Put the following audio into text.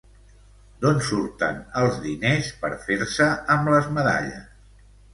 D'on surten els diners per fer-se amb les medalles?